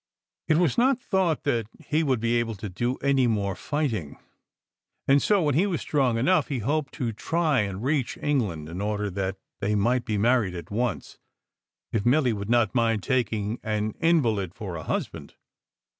It was not thought that he would be able to do any more fighting, and so when he was strong enough, he hoped to try and reach England in order that they might be married at once, if Milly would not mind taking an invalid for a husband.